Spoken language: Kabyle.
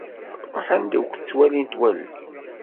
Ruḥ anda ur k-ttwalint wallen-iw!